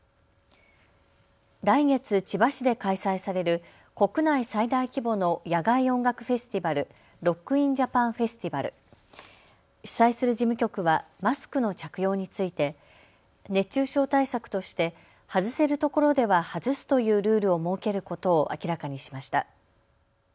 来月、千葉市で開催される国内最大規模の野外音楽フェスティバルロック・イン・ジャパンフェスティバル。主催する事務局はマスクの着用について熱中症対策として外せるところでは外すというルールを設けることを明らかにしました。